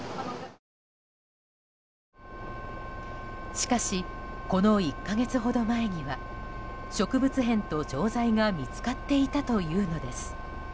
しかし、この１か月ほど前には植物片と錠剤が見つかっていたというのです。